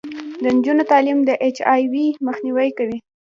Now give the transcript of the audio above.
د نجونو تعلیم د اچ آی وي مخنیوی کوي.